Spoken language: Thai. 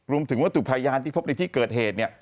รวมถึงที่ปรายญาณที่พบในที่เกิดเหตุ